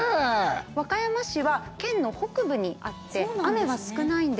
和歌山市は県の北部にあって雨は少ないんです。